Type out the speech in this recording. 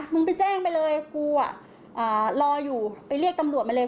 มึงไปแจ้งไปเลยผมอ่ะรออยู่ไปเรียกกำรวชไปเลย